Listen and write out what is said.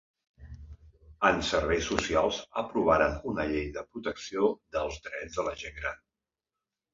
En serveis socials, aprovaran una llei de protecció dels drets de la gent gran.